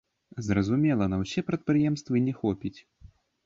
Зразумела, на ўсе прадпрыемствы не хопіць.